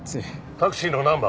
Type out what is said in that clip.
タクシーのナンバーは？